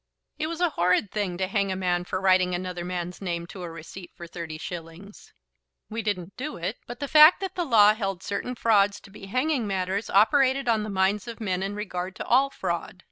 "It was a horrid thing to hang a man for writing another man's name to a receipt for thirty shillings." "We didn't do it, but the fact that the law held certain frauds to be hanging matters operated on the minds of men in regard to all fraud.